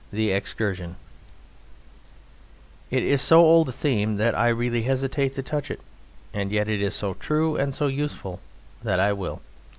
The Excursion It is so old a theme that I really hesitate to touch it; and yet it is so true and so useful that I will.